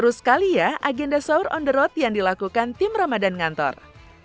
terus sekali ya agenda saur on the road yang dilakukan tim ramad gadatorium